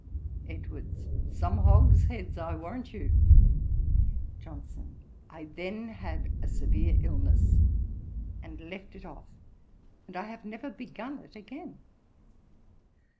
EDWARDS. 'Some hogsheads, I warrant you.' JOHNSON. 'I then had a severe illness, and left it off, and I have never begun it again.